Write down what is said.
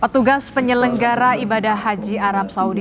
petugas penyelenggara ibadah haji arab saudi